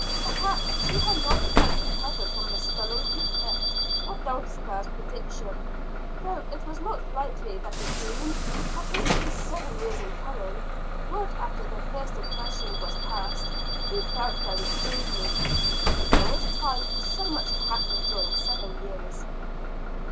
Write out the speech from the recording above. Perhaps she had not quite recovered from the stunning effect of Dulcibel's prediction. Though it was not likely that a doom that was to be seven years in coming, would, after the first impression was past, be felt very keenly. There was time for so much to happen during seven years.